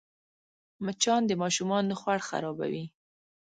مچان د ماشومانو خوړ خرابوي